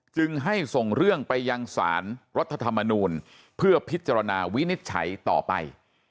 จึงให้ส่งเรื่องไปยังสารรัฐธรรมนูลเพื่อพิจารณาวินิจฉัยต่อไป